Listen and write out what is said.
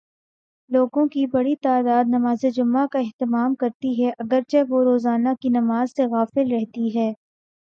لوگوں کی بڑی تعداد نمازجمعہ کا اہتمام کرتی ہے، اگر چہ وہ روزانہ کی نماز سے غافل رہتی ہے۔